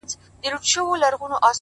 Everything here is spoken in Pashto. اوښـكه د رڼـــا يــې خوښــــه ســـوېده”